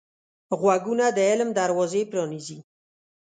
غوږونه د علم دروازې پرانیزي